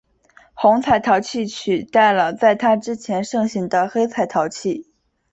红彩陶器取代了在它之前盛行的黑彩陶器。